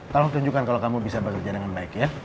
tolong tunjukkan kalau kamu bisa bekerja dengan baik ya